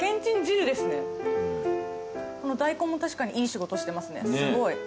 この大根も確かにいい仕事してますねすごい。